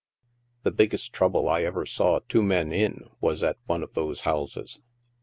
The biggest trouble I ever saw two men in was at one of those houses.